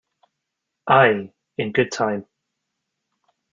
Aye, in good time.